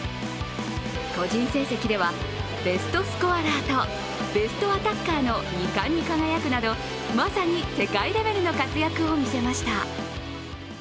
個人成績ではベストスコアラーとベストアタッカーの２冠に輝くなど、まさに世界レベルの活躍を見せました。